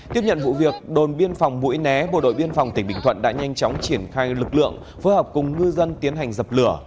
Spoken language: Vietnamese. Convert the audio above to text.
tiếp nhận vụ việc đồn biên phòng mũi né bộ đội biên phòng tỉnh bình thuận đã nhanh chóng triển khai lực lượng phối hợp cùng ngư dân tiến hành dập lửa